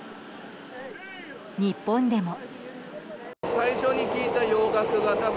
日本でも。